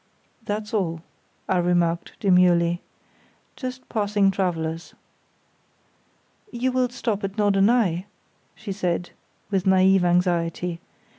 "That's all," I remarked, demurely. "Just passing travellers." "You will stop at Norderney?" she said, with naïve anxiety.